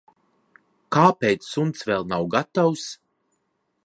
Kāpēc suns vēl nav gatavs?